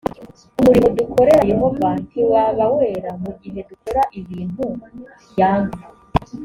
umurimo dukorera yehova ntiwaba wera mu gihe dukora ibintu yanga